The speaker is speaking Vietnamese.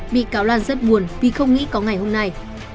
bị cáo lan rất buồn vì không nghĩ có ngày hôm nay